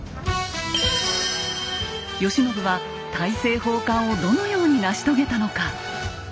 慶喜は大政奉還をどのように成し遂げたのか。